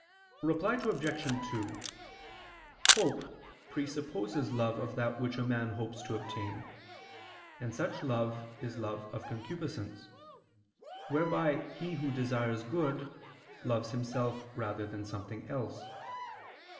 Reply Obj. 2: Hope presupposes love of that which a man hopes to obtain; and such love is love of concupiscence, whereby he who desires good, loves himself rather than something else.